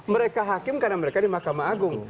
mereka hakim karena mereka di mahkamah agung